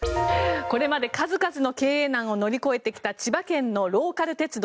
これまで数々の経営難を乗り越えてきた千葉県のローカル鉄道